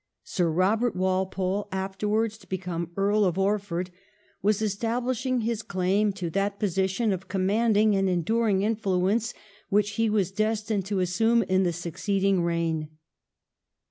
Sir Kobert Walpole, afterwards to become Earl of Orford, was establish ing his claim to that position of commanding and enduring influence which he was destined to assume in the succeeding reign.